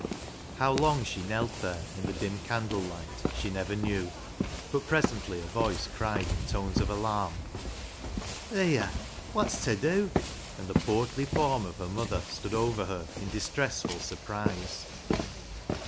How long she knelt there, in the dim candle light, she never knew, but presently a voice cried in tones of alarm —" Leah, what's ta dew ?" And the portly form of her mother stood over her in distressful surprise.